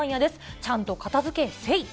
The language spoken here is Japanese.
ちゃんと片づけせいっ！